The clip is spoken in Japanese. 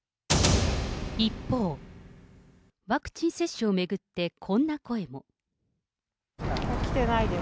一方、ワクチン接種を巡って、こんな声も。来てないです。